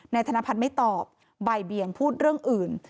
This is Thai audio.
ธนพัฒน์ไม่ตอบบ่ายเบียงพูดเรื่องอื่น